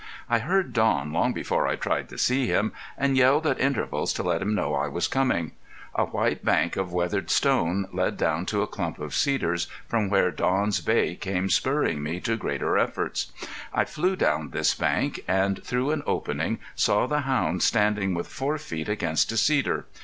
I heard Don long before I tried to see him, and yelled at intervals to let him know I was coming. A white bank of weathered stones led down to a clump of cedars from where Don's bay came spurring me to greater efforts. I flew down this bank, and through an opening saw the hound standing with fore feet against a cedar.